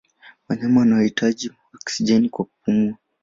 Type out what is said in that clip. Wanyama wanahitaji oksijeni kwa kupumua.